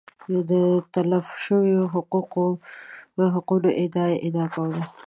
د تلف شویو حقونو اعادې ادعا کوله